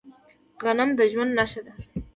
غنم د ژوند نښه ده.